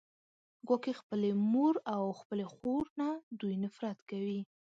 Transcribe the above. ګواکې خپلې مور او خپلې خور نه دوی نفرت کوي